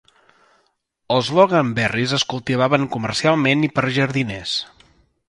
Els Loganberries es cultiven comercialment i per jardiners.